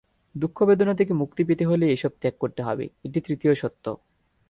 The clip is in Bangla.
দুঃখ-বেদনা থেকে মুক্তি পেতে হলে এসব ত্যাগ করতে হবে, এটি তৃতীয় সত্য।